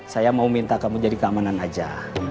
saya mau minta kamu jadi keamanan aja